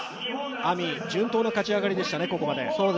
ＡＭＩ、順当な勝ち上がりでしたね、ここまで。